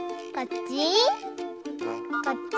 こっち？